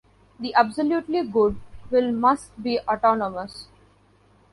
The absolutely good will must be autonomous.